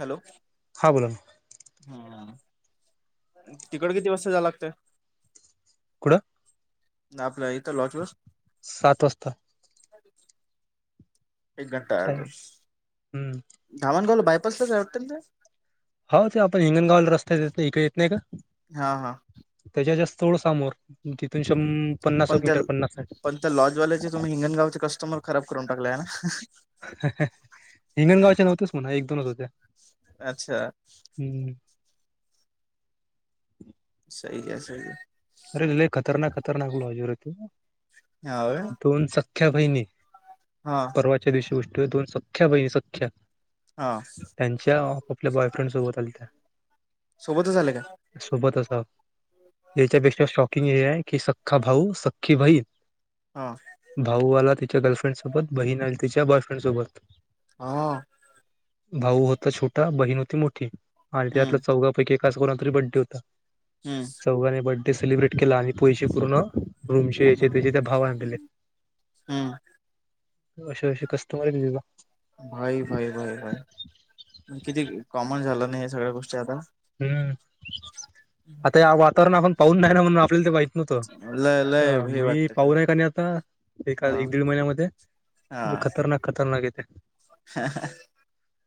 Hello हां बोला ना, हम तिकड किती वाजता जायला लागतं? कुड आपल्या इथं लॉज वर सात वाजता एक घंटा टाइम आज हम्म ावांगाव बायपाससच आहे वाटल ना हो ते आपण हिंगणगावला रस्त्या इकडे येत नाही का? हा हा त्याच्या जास्त थोडं समोर तिथून श पण त्या पण त्या लॉजवाल्याचे तुम्ही हिंगणगावचे कस्टमर खराब करून टाकले आहे ना, हिंगणगावच्या नव्हत्याच म्हणा एक दोनच होत्या. अच्छा हम्म स आहे स आहे अरे लइ खतरनाक खतरनाक [unintelligible] हाव. दोन सख्या बहिणी. हा परवाच्या दिवशी गोष्टी दोन सख्या बहिणी सख्या हा त्यांच्या आपापल्या बॉयफ्रेंड सोबत आल्या त्या सोबतच आले का सोबत अस याच्या पेक्षा शॉकिंग हे आहे की सखा भाऊ सखी बाई हा भाऊ आला तिच्या गर्लफ्रेंडसोबत बहीण आली तिच्या बॉयफ्रेंडसोबत हा भाऊ होता छोटा बहीण होती मोठी आणि हम्म त्यातला चौगा पैकी एकाच कोणाचा तरी बड्डे होता हम्म चौघाने बर्डे सेलिब्रेट केला आणि पैसे पूर्ण रूमचे याचे हम्म त्याचे त्या भावाने दिले. हम्म अशे अशे कस्टमर [unintelligible] भाई भाई भाई भाई किती कॉमन झालं नाही सगळ्या गोष्टी आता. हम्म आता या वातावरण आपण पाहून नाही ना म्हणून आपल्याला ती बाई. नोतो लय लय हे मी वाटतं का पावर आहे कनी आता एका हा एक दीड महिन्यामध्ये. हा खतरनाक खतरनाक येते.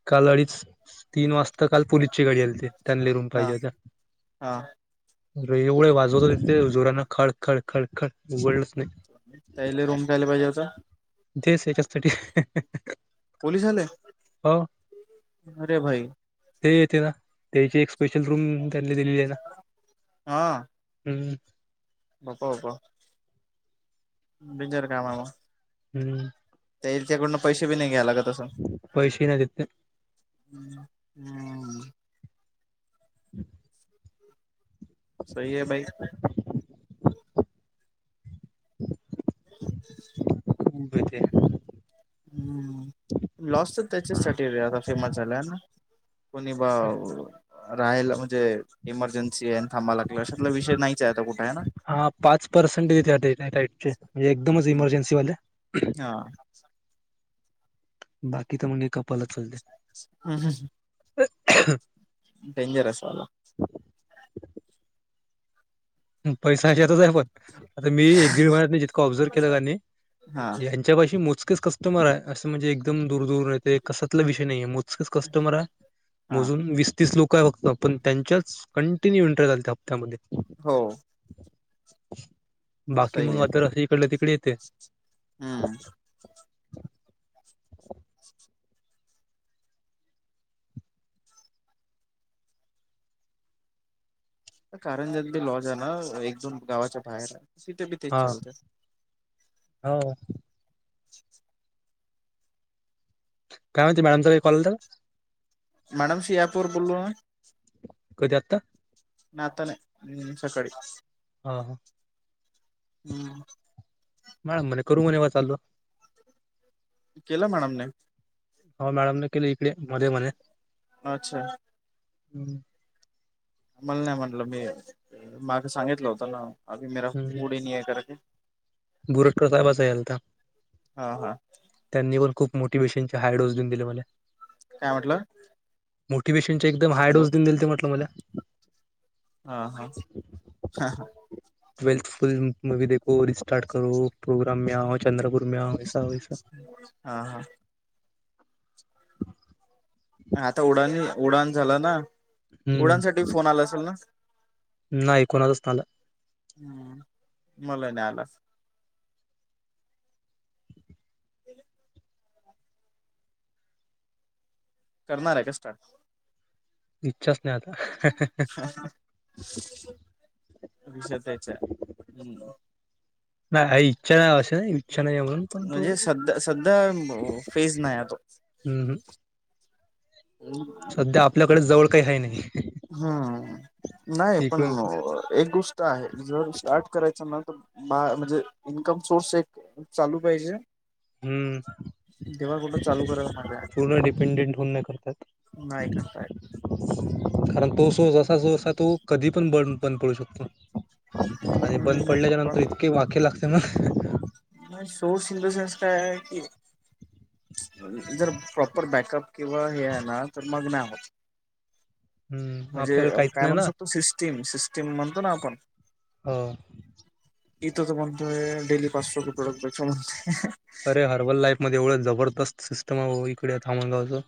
काल अडीच तीन वाजता काल पोलीस ची गाडी आलीती. त्यांले रूम हा पाहिजे होत्या. हा अरे एवढे वाजवतो तिथे जोरान खड खड खड खड उघडलंच नाही. त्याले रूम कायला पाहिजे होत्या. देस हेच्यासाठी. पोलीस आले. अरे भाई. ते येते ना त्याची एक स्पेशल रूम त्यांनी दिलेली आहे ना. हम्म [unintelligible] बिजर कामा हम्म. त्याच्याकडून पैसेेपण नाही घ्यायला लागत. असं पैसे नाही देत ते. हम्म हम्म. [inaudible] सही हे भाई. [inaudible] मु ब ते हम्म लॉसचं त्याच्यासाठी आता फेमस झालाय ना. कोणी बाव राहायला म्हणजे इमर्जन्सी आहे थांबा लागल अशतला विषय नाहीच आहे आता कुठे आहे ना. हा पाच पर्सेंटेज [unintelligible] म्हणजे एकदमच इमर्जन्सीवाले.. हा. बाकी तर म्हणजे कपलच चालते. हम्म हम. डेंजर असा बा. पैसा ह्यातच आहे पण आता मी एक दीड महिन्यातनं जितकं ऑब्झर्व केलं त्यांनी हा त्याच्या मोजकीच कस कस्टमर आहे असं म्हणजे एकदम दूर दूर आहे तेे कसातला विषय नाहीये मोजकच कस्टमर आहे. हा मोजून वीस तीस लोक आहे फक्त पण त्यांच्याच कंटिन्यू इंटऱ्या झालत्या हप्त्यामध्ये. हो. बाकी मग आता असं इकडलं तिकडे येते. हा कारणजती लॉज आहे ना एक दोन गावाच्या बाहेर आहे तिथेी हा हो काय होती मॅम कॉल तर- मॅडमशी अँपवर बोलू. कधी आत्ता? नाय आता नाय हम्म सकाळी. हा हा. हम्म मॅम म्हणे करू म्हव चालो- केलं मॅडमने- हो मॅडम न केले इकडे मध्ये मणे- अच्छा- हम्- मला नाही म्हटलं मी माग सांगितलं होत ना अी मरा गडी नाही आहे करा का- बुरट साहेब अस हलता- हा हा त्यांनी पण खूप मोटिवेशनचेच्या हा देऊन दिले मले. काय म्हटलं? मोटिवे्शन एकदम हाय हॅलो डोस देऊन दिलंते म्हटलं मला ह हा हा हा. वेल्थफुल मूवी देखो रिस्टार्ट करो प्रोग्रम मे आ चंद्रपूरे आ स वैस. हा हा आता उडानी उडान झालं ना. हम्म. को आला असेल ना. नाहीऐ कोणाच नाला. हम्म मला नाही आलाच. ह. करणार आहे का स्टार्ट? इच्छाच नाही आता हा ह. विष त्याच्या हम्. नाही ह. इच्छा असे नाही इच्छा नाही म्हणून पण तो म्हणजे सध्या सध्या फेज नाही आहे [unintelligible] तो हम् हम. [inaudible] सध्या आपल्याकडे जवळ काही आहे नाही. हम्म नाही पण इकडून एक गोष्ट आहे जर स्टार्ट करायचं ना तर बा म्हणजे इन्कम सोर्स एक चालू पाहिजे. हम्म जव्हा कुठं चालू करायला माझा- पूर्ण डिपेंडेंट होऊन नाही करतात नाही करताय. कारण तो सो जसा जोसा आहे तो कधी पण बंद पण पडू शकतो. आणि बंद पडल्याच्या नंतर पण इतके वाके लागते मग सोर्स इन द सेन्स काय आहे की? जर प्रॉपर बॅकअप किंवा हे आहे ना तर मग नाही- हम्म म्हणजे आपल्याकडे काहीच काय नाही म्हणू ना शकतो सिस्टीम सिस्टीम म्हणतो ना आपण- हो. [unintelligible] अरे हर्बल लाईफ मध्ये एवढं जबरदस्त सिस्टम आहे इकडे थामणगावचं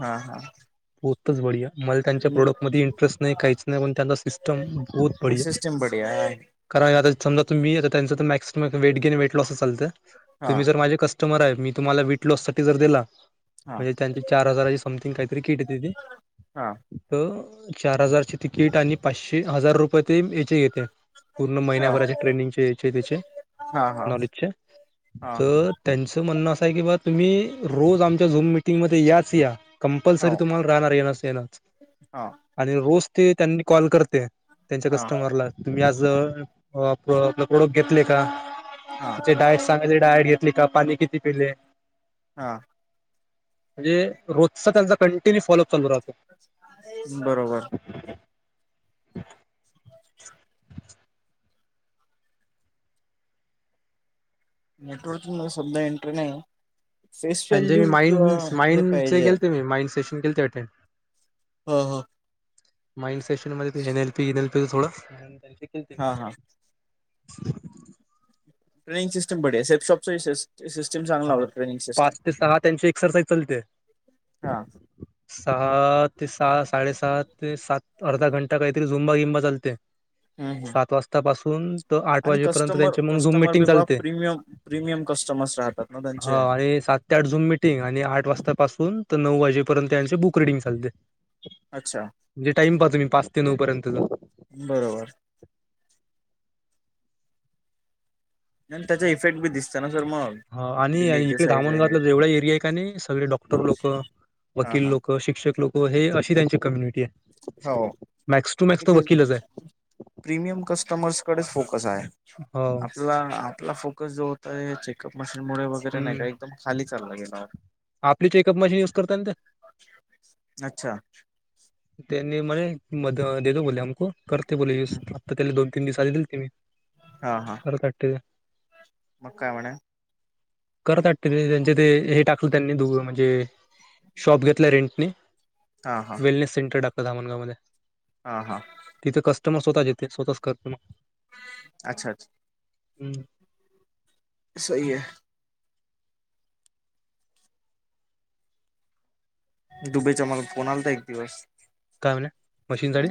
हा हा [inaudible] [unintelligible] कारण आता समजा तुम्ही आता त्यांचं maximum weight gain weight lost चा लतं हा तुम्ही जर माझे कस्टमर आहे मी तुम्हाला वेट लॉस साठी जर दिला हा म्हणजे त्यांची चार हजाराची समथिंग काहीतरी किट येत हां. तर चार हजारची तिकीट आणि पाचशे हजार रुपये ते याचे येते. पूर्ण हा महिन्याभराचे ट्रेनिंगचेहेचे त्याचे हा हा नॉलेजचे हा तर त्यांचं म्हणणं असं आहे की बा तुम्ही रोज आमच्या झूम मिटिंगमध्ये याच या कंपल्सरी हो तुम्हाला राहणार येनास येनच हा आणि रोज ते त्यांनी कॉल करते त्यांच्या हा कस्टमरला तुम्ही आज आप प्रोडक् घेतले का हा तचे डायट सांगाय डायट घेतली का पाणी किती पिले हा म्हणजे रोजचा त्यांचा कंटिन्यू फॉलोप चालू राहतो बरोबर [unintelligible] [unintelligible] नेटवर्क सधा एंटर नाही फेस त्यांचे व्हॅल्यू मी किंवा माइंड हे माइंडचे पाहिजे गेलते माइंड सेन के अटेड हो हो हा हा [inaudible] [unintelligible] ट्रेिंग सिटम बि सेप शॉपचा विशस सिटीम हा पाच ते सहा त्यांची एक्सरसाइज चालते हा. सहा ते सहा साडेसात ते सात अर्धा घंटा काहीतरी झुंबा गिंबा चालते हम्म हम्म. सात वाजतापासून तर आठ वाजेपर्यंत त्यांचे मग झूम मिटिंग चालते हम्म. प्रिमियम कस्टमर्स राहतात ना हो त्यांचे. आणि सात त्या अ झून मिटिंग आणि आठ वाजतापासून तर नऊ वाजेपर्यंत यांचे बुक रिडिंग चालते अच्छा म्हणजे टाईम पाहा तुम्ही पाच ते नऊ पर्यंतचा बरोबर आणि त्याचा इफेक्ट बी दिसत ना सर मग ह आणि डेली इकडे एक्सरसाइज आहे. धामणगावातला हे. जेवढा एरिया आहे का नाही सगळे हा डॉक्टर लोक हा वकील हा. लोक शिक्षक लोक हे अशी त्यांची कम्युनिटी हो आहे मॅक्स टू मॅक्स तो ते वकीलच आहे प्रीमियम कस्टमर्सकडेच फोकस आहे हो. आपला आपला फोकस जो होता चेकअप मशीन मु वगैरे नाही का हम्म. एकदम खाली चालला गेला होता आपली चेकअप मशीन युज करतय ते अच्छा त्यांनी मला म देतो बोले आमक करते बोलले य हम्म. आत्ता त्याले दोन तीन दिवस आले दिल ते मी हा हा [unintelligible] मग काय म्हणे करत त्यांचे ते हे टाकलं त्यांनी द म्हणजे शॉप घेतला रेंटने हा हा. वेलनेस सेंटर टाकलं धामणगाव मध्ये हा हा तिथे कस्टमर स्वतःचिथे स्वतच क अच्छा अच्छ हम्म सही हे. डुबे चा मला फोन आलता एक दिवस काय म्हणे मशीन साठी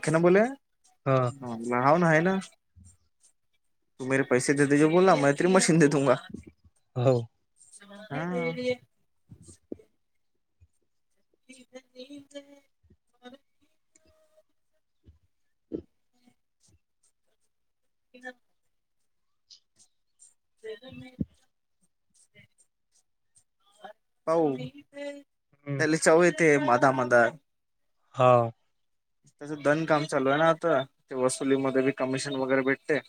[inaudible] हा [inaudible] तू मे पैसे देेत जो बोला ना म इतरी मशीन दे दूगा हॅलो हं हं [inaudible] [unintelligible] [unintelligible] हावं. त्याले चव येते मदा मदा हो. त्याचं दन काम चालू आहे ना आता ते वसुलीमध्ये बी कमिशन वगैरे भेटते.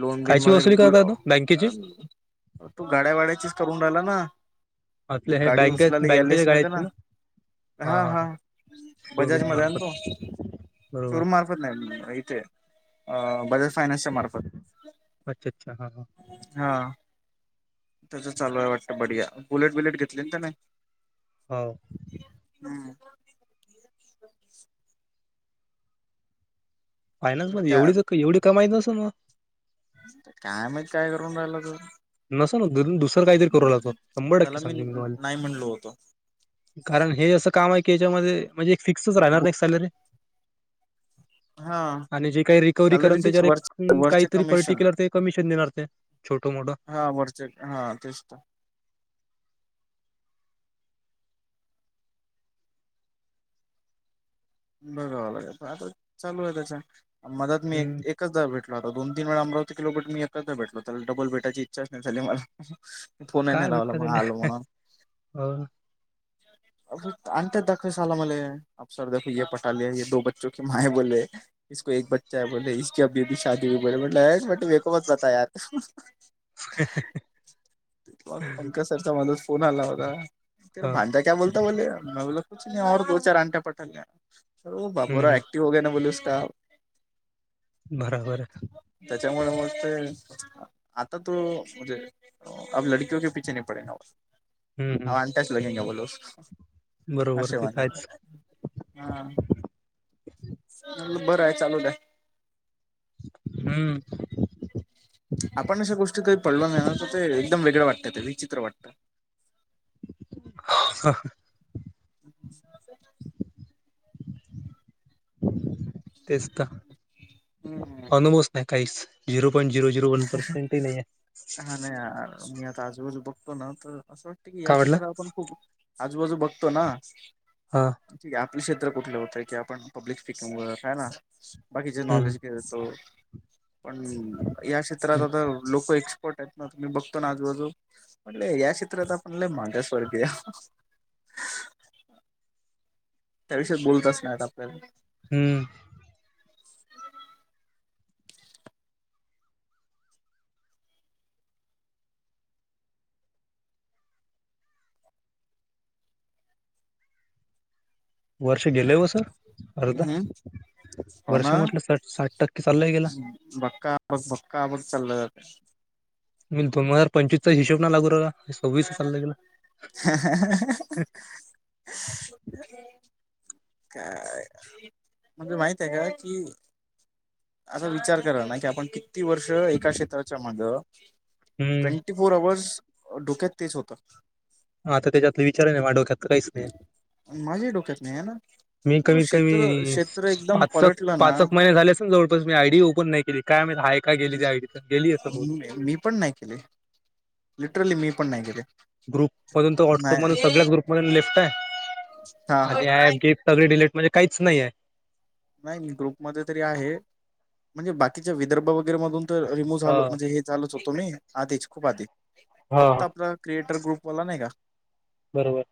लोन बिन कायची मध्ये वसुली करता तू बँकेची [unintelligible] तो गाड्या वाड्याचीच करून राहिला ना त आपल्या हे गाडी बँके उचलाला यायलेच बँकेच्या ना त्याना गाड्याची हा हा बजाज शोरूम मध्ये आहे ना मार्फत तो बरोबर शोरमा [unintelligible] इथे बजाज फायनान्सच्या मार्फत अच्छ अच्छा हा हा हा त्याचं चालू आहे वाटतं बढीया बुलेट बिलट घेतली ना त्यानी. हो. हम्म फानान्समध्ये त्या एवढी ज एवढी कमाई नसण होत. काय माहित काय करुन रायला तो. नसण होत दुसरं कायतरी करू ला तो शंभर त्याला टक्के सांगते मी तुम्हाले नाही म्हणलो होतो. कारण हे असं काम आहे की याच्यामध्ये म्हणजे एक फिक्सच राहणार ना एक सॅलरी [unintelligible] आणि जे काही रिकव्हरी सॅलरी करण फिक्स त्याच्यावर एक वर हूं काय वरचे तरी कमिशन पर्टिक्युलर ते कमिशन देणार ते छोट मोठ चल हा तेच त बघावं लागेल पण आता चालू आहे त्याच्या आणि मधात मी एक हम्म, एकचदा भेटला होता दोन तीन वेळा अमरातीकीलोट मी एकचदा भेटला होता त्याला डबल भेटायची इच्छा चं नाय झाली मला. फोन ही नाय काय लावला भेटतं मग आलो त्याला म्हणून हो. होत अंते दखस आला मले अफसर देखो ये पटाले ये दो बच्चो की माँ ये बोले इसको एक बच्चा हे बोले इसकी अभी अभी शादीे होगाई म्हटले हेट ये कोण होत तयार पंकज सर चा मध्येच फोन आला होता तेरा हो. भांडा क्या बोलता बोले में बोला कुछ नहीं और दो चार अन्ट्या पटा लिया वो हं, बाबुराय हं. हो गया ना बोले उसका. बरोबर आहे. त्याच्यामुळे मग ते आता तो म्हणजे अ अब लडकियोके पिछे नही पडेे ना वो. हं, हं. हा अँट्याच लगेंगा बोलो बरोबर असे ते तर आहेच. म्हणतात. हा बरं हाय चालू दया. हम्म. आपण अशा गोष्टी काही पडलो नाही ना तर ते एकदम वेगळ वाटतात ते विचित्र वाटतं. ओ हं. [inaudible] तेच तर हम्म अनुभवच नाही काहीच. हीरो पण झिरो झिरो वन पर्सेंटही नाहीये. हा ना यार मी आता आजूबाजू बघतो ना तर असं वाटते की या काय म्हटला? क्षेत्रा आपण खूप आजूबाजू बघतो ना हा ठीक आहे. आपले क्षेत्र कुठलं होतय की आपण पब्लिक स्पिकि मुळं हे न. बाकीचे हं, नॉलेज घेतो पण या क्षेत्रात हं. आता लोक फोट ना बघतो ना आजूबाजू म्हटले या क्षेत्रात आपण लय मागासवर्गीय अहं. त्याविषयी बोलतच नाहीत आपल्याला. हम्म. वर्ष गेलंय व सर अर्ध हम्म हो वर्ष ना म्हटलं साठ साठ टक्के चालल्याही गेल. बक्का ब बक्का बक चालय आप मी दोन हजार पंचवीसचा हिशोब ना लागू राहिला. चालला गेला. [inaudible] अहं अहं. काय म्हणजे माहित आहे का की असा विचार करा ना की आपण किती वर्ष एका क्षेत्राच्या माग हं. ती [unintelligible] डोक्यात तेच होत. हा तर त्याच्यातले विचार आहे नाही मा डोक्यात तर काहीच नाहीय. माझ्या डोक्यात नाही आहे ना. मी तो कमीत क्षेत्र कमी क्षेत्र एकदम पाच पलटलं ना पाचक महिने झाले जवळपास मी आयडी ओपन नाही केली काय माहि मी पण नाही केले लिटरली मी पण नाही केले. ग्रुप मधून तर व्हॉट्सअप मधून नाही सगळ्याच ग्रुप मधून लेफ्ट आहे हा हा. आणि ऍप गिप सगळी डिलीट म्हणजे काहीच नाही आहे. नाही ग्रुपमध्ये तरी आहे, म्हणजे बाकीच्या विदर्भ वगैरे मधून तर रिमू हा झालो म्हणजे हे चालूच होतो मी आधीच खूप आधी फक्त हा आपला क्रिएटर ग्रुपवाला नाही का? बरोबर.